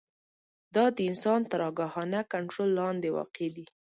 دا د انسان تر آګاهانه کنټرول لاندې واقع دي.